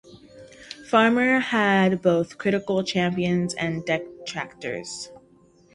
Farmer had both critical champions and detractors.